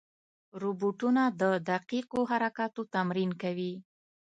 روبوټونه د دقیقو حرکاتو تمرین کوي.